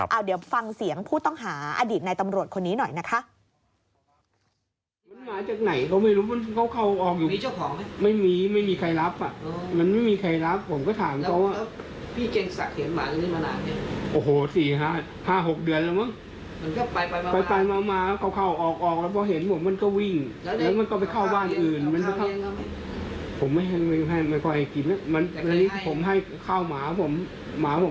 เอาเดี๋ยวฟังเสียงผู้ต้องหาอดีตในตำรวจคนนี้หน่อยนะคะ